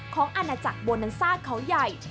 อาณาจักรโบนันซ่าเขาใหญ่